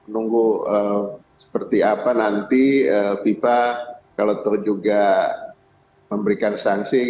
nunggu seperti apa nanti fifa kalau tahu juga memberikan sanksi